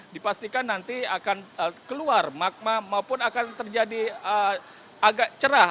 dipastikan nanti akan keluar magma maupun akan terjadi agak cerah